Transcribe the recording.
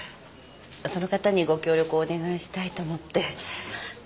その方にご協力をお願いしたいと思って。